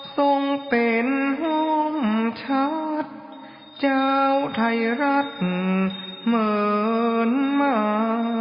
ทรงเป็นห้องชาติเจ้าไทยรัฐเหมือนมา